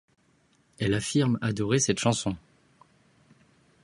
Elle affirme adorer cette chanson.